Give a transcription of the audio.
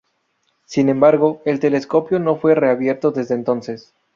Sin embargo, el telescopio no fue reabierto desde entonces.